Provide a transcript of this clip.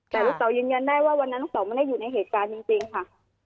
แต่ลูกสาวยืนยันได้ว่าวันนั้นลูกสาวไม่ได้อยู่ในเหตุการณ์จริงค่ะ